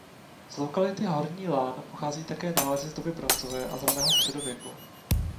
Z lokality Horní lán pochází také nálezy z doby bronzové a z raného středověku.